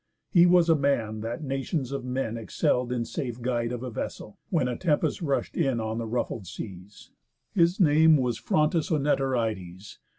He was a man that natións of men Excell'd in safe guide of a vessel, when A tempest rush'd in on the ruffled seas; His name was Phrontis Onetorides.